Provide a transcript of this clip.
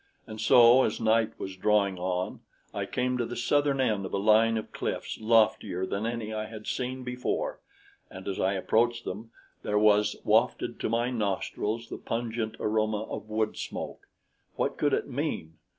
And so, as night was drawing on, I came to the southern end of a line of cliffs loftier than any I had seen before, and as I approached them, there was wafted to my nostrils the pungent aroma of woodsmoke. What could it mean?